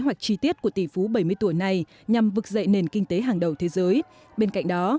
hoạch chi tiết của tỷ phú bảy mươi tuổi này nhằm vực dậy nền kinh tế hàng đầu thế giới bên cạnh đó